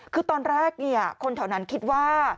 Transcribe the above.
คือตอนแรกคนแถวนั้นคิดว่า